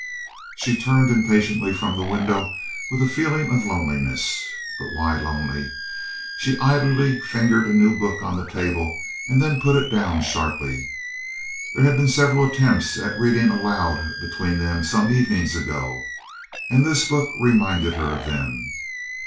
She turned impatiently from the window with a feeling of loneliness. But why lonely? She idly fingered a new book on the table and then put it down sharply. There had been several attempts at reading aloud between them some evenings ago, and this book reminded her of them.